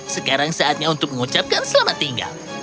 sekarang saatnya untuk mengucapkan selamat tinggal